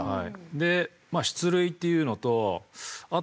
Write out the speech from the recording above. で出塁っていうのとあと